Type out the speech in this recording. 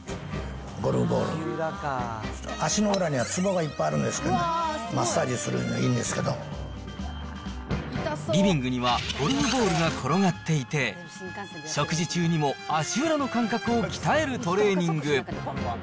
足の裏にはつぼがいっぱいあるんですけどね、マッサージするのにリビングにはゴルフボールが転がっていて、食事中にも足裏の感覚を鍛えるトレーニング。